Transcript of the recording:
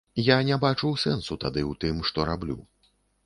Я не бачыў сэнсу тады ў тым, што раблю.